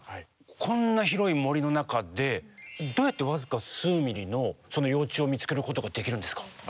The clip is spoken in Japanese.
こんな広い森の中でどうやって僅か数ミリのその幼虫を見つけることができるんですか？